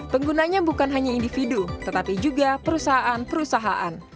penggunanya bukan hanya individu tetapi juga perusahaan perusahaan